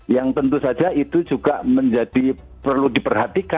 yang tentu saja itu juga menjadi perlu diperhatikan